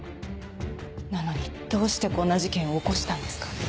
なのにどうしてこんな事件を起こしたんですか？